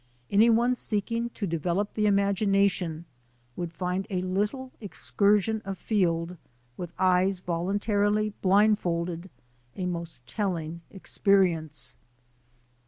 Any one seeking to develop the imagination would find a little excursion afield, with eyes voluntarily blind folded, a most telling experience.